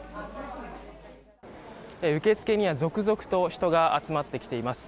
受付には続々と人が集まってきています。